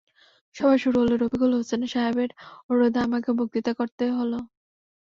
সভা শুরু হলো, রফিকুল হোসেন সাহেবের অনুরোধে আমাকেও বক্তৃতা করতে হলো।